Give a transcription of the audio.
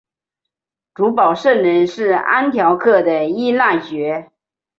主保圣人是安条克的依纳爵。